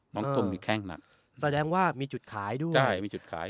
มองุมนี่แค่งหนักแสดงว่ามีจุดขายด้วยใช่มีตรับขาย